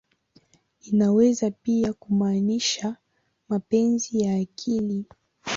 Inaweza pia kumaanisha "mapenzi ya akili.